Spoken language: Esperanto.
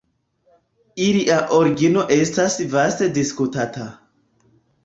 Ilia origino estas vaste diskutata.